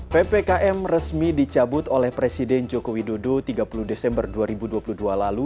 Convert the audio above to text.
ppkm resmi dicabut oleh presiden joko widodo tiga puluh desember dua ribu dua puluh dua lalu